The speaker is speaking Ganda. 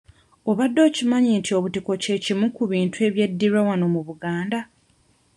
Obadde okimanyi nti obutiko kimu ku bintu ebyeddirwa wano mu Buganda?